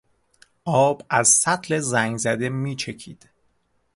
آب از سطل زنگزده میچکید.